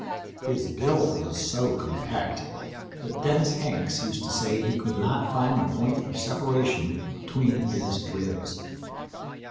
His build was so compact that Dennis Hanks used to say he could not find the point of separation between his ribs.